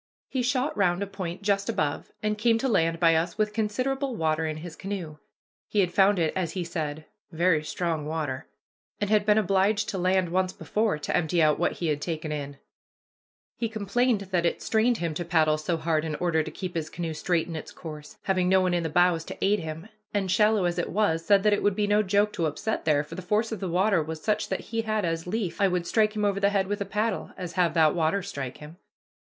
He shot round a point just above, and came to land by us with considerable water in his canoe. He had found it, as he said, "very strong water," and had been obliged to land once before to empty out what he had taken in. [Illustration: Coming Down the Rapids] He complained that it strained him to paddle so hard in order to keep his canoe straight in its course, having no one in the bows to aid him, and, shallow as it was, said that it would be no joke to upset there, for the force of the water was such that he had as lief I would strike him over the head with a paddle as have that water strike him.